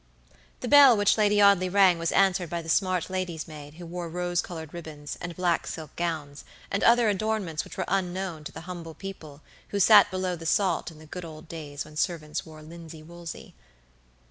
The bell which Lady Audley rang was answered by the smart lady's maid who wore rose colored ribbons, and black silk gowns, and other adornments which were unknown to the humble people who sat below the salt in the good old days when servants wore linsey woolsey.